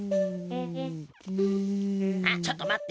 あっちょっとまって！